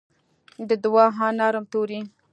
د دوعا نرم توري